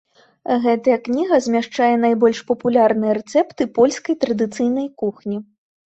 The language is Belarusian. Гэтая кніга змяшчае найбольш папулярныя рэцэпты польскай традыцыйнай кухні.